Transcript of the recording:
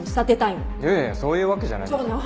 いやいやそういうわけじゃないですけど。